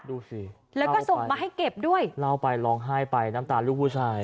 ดูสิเล่าไปเล่าไปครับเล่าไปล้องไห้ไปล้องไปหน้าตาลูกผู้ชาย